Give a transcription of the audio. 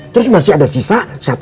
terus masih ada sisa satu tujuh ratus